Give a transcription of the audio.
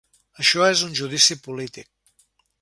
Això és un judici polític.